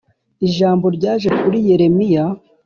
ijambo ryaje kuri Yeremiya